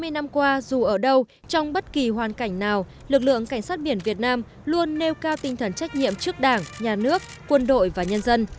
hai mươi năm qua dù ở đâu trong bất kỳ hoàn cảnh nào lực lượng cảnh sát biển việt nam luôn nêu cao tinh thần trách nhiệm trước đảng nhà nước quân đội và nhân dân